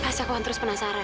pasti aku akan terus penasaran